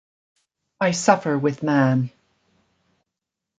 I suffer with man.